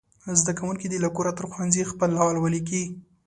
زده کوونکي دې له کوره تر ښوونځي خپل حال ولیکي.